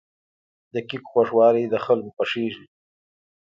د کیک خوږوالی د خلکو خوښیږي.